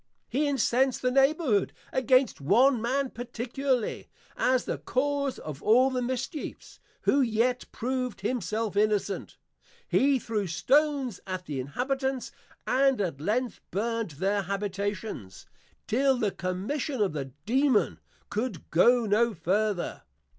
He incensed the Neighbourhood against one Man particularly, as the cause of all the mischiefs: who yet proved himself innocent. He threw stones at the Inhabitants, and at length burnt their Habitations, till the Commission of the Dæmon could go no further.